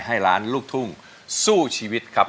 ให้ล้านลูกทุ่งสู้ชีวิตครับ